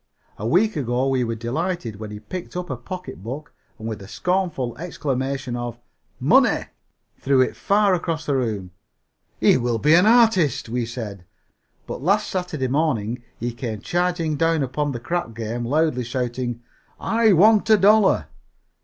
A week ago we were delighted when he picked up a pocketbook and, with a scornful exclamation of "Money!" threw it far across the room. "He will be an artist," we said, but last Saturday morning he came charging down upon the crap game loudly shouting, "I want a dollar!"